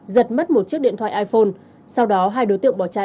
giật mất một chiếc điện thoại iphone sau đó hai đối tượng bỏ chạy